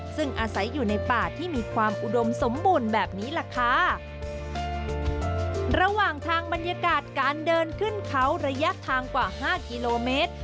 ซึ่งอาศัยอยู่ในป่าที่มีความอุดมสมบูรณ์แบบนี้แหละค่ะระหว่างทางบรรยากาศการเดินขึ้นเขาระยะทางกว่าห้ากิโลเมตร